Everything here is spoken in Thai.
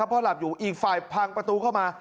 แล้วก็ล็อกประตูไว้นะครับเพื่อนลงไปที่ร้านค้า